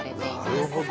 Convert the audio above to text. なるほど！